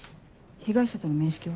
被害者との面識は？